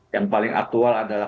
yang paling aktual adalah